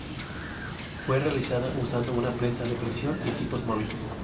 Fue realizada usando una prensa de impresión y tipos móviles.